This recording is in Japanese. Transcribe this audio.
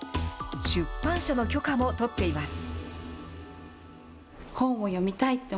出版社の許可も取っています。